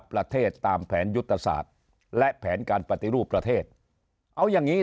ประเทศตามแผนยุทธศาสตร์และแผนการปฏิรูปประเทศเอาอย่างนี้